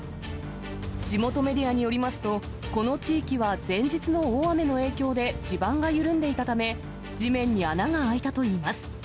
地元メディアによりますと、この地域は前日の大雨の影響で地盤が緩んでいたため、地面に穴が開いたといいます。